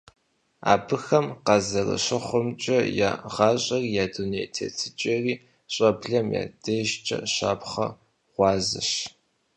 Абыхэм къазэрыщыхъумкӀэ, я гъащӀэри я дуней тетыкӀэри щӀэблэм я дежкӀэ щапхъэщ, гъуазэщ.